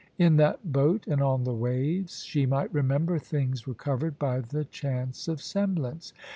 In that boat, and on the waves, she might remember things recovered by the chance of semblance.